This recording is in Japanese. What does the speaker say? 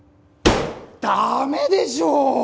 ダメでしょう！